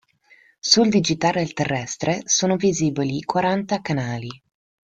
Sul digitale terrestre sono visibili quaranta canali.